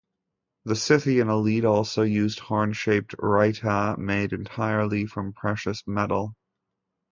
The Scythian elite also used horn-shaped "rhyta" made entirely from precious metal.